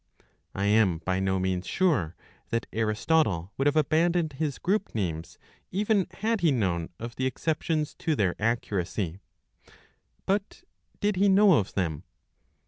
I am by no means sure then that Aristotle would have abandoned his group names even had he known of the exceptions to their accuracy. But did he know of them